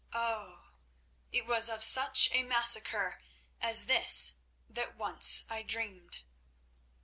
Oh! it was of such a massacre as this that once I dreamed."